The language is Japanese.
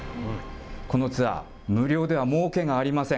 このツアー、無料ではもうけがありません。